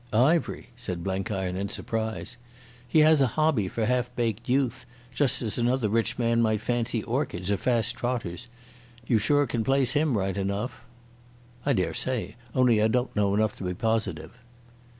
"Ivery," said Blenkiron in surprise. "He has a hobby for half baked youth, just as another rich man might fancy orchids or fast trotters. You sure can place him right enough." "I dare say. Only I don't know enough to be positive."